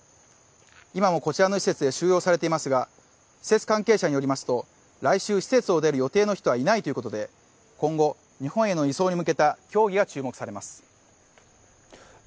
今もこちらの施設に収容されていますが、施設関係者によりますと来週、施設を出る予定の人はいないということで今後、日本への移送へ向けた協議が注目されます。